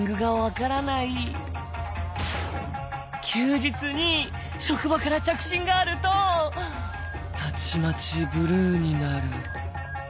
「休日に職場から着信があるとたちまちブルーになる」。